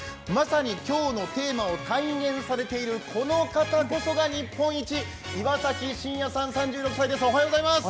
まさに今日のテーマを体現されているこの方こそ日本一、岩崎真也さん、３６歳です。